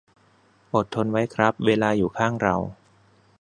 อดทนไว้ครับ เวลาอยู่ข้างเรา